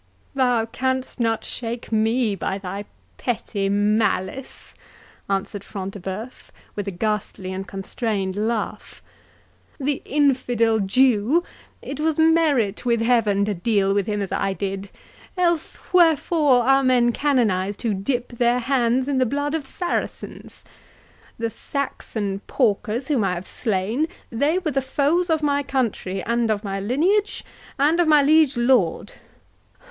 "Thou canst not shake me by thy petty malice," answered Front de Bœuf, with a ghastly and constrained laugh. "The infidel Jew—it was merit with heaven to deal with him as I did, else wherefore are men canonized who dip their hands in the blood of Saracens?—The Saxon porkers, whom I have slain, they were the foes of my country, and of my lineage, and of my liege lord.